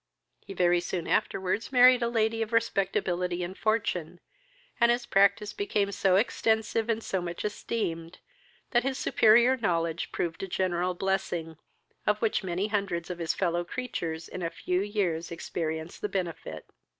He very soon afterwards married a lady of respectability and fortune, and his practice became so extensive, and so much esteemed, that his superior knowledge proved a general blessing, of which many hundreds of this fellow creatures in a few years experienced the benefit.